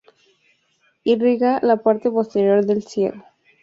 Irriga la parte posterior del ciego.